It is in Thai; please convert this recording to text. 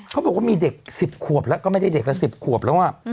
เขาบอกว่ามีเด็ก๑๐ขวบแล้วก็ไม่ได้เด็กละ๑๐ขวบแล้ว